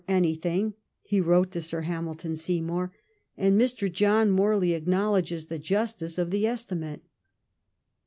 167 thing/' he wrote to Sir Hamilton Seymour, and Mr. John Morley acknowledges the justice of the estimate.